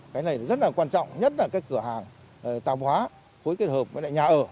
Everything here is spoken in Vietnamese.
cái này rất là quan trọng nhất là các cửa hàng tạm hóa phối kết hợp với nhà ở